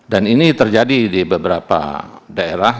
dan ini terjadi di beberapa daerah